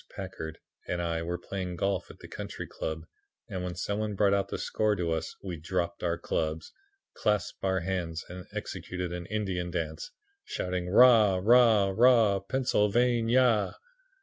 Packard and I were playing golf at the Country Club and when some one brought out the score to us we dropped our clubs, clasped hands and executed an Indian dance, shouting "Rah! rah! rah! Pennsylvania!"